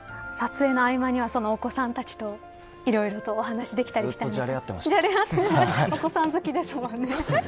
撮影の合間にはお子さんたちといろいろとお話できたりしたんですか。